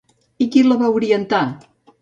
I qui li va orientar?